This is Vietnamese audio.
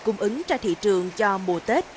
cung ứng cho thị trường cho mùa tết